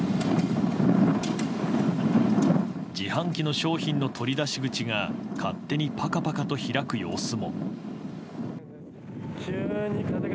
自販機の商品の取り出し口が勝手にパカパカと開く様子も。